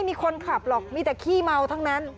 พี่ขับมาจากไหนครับ